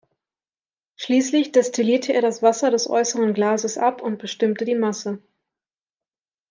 Schließlich destillierte er das Wasser des äußeren Glases ab und bestimmte die Masse.